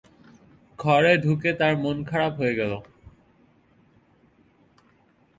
ঘরে ঢুকে তাঁর মন খারাপ হয়ে গেল।